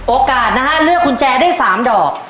โอกาสนะฮะเลือกกุญแจได้๓ดอก